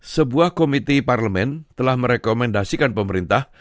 sebuah komiti parlemen telah merekomendasikan pemerintah